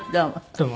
どうも。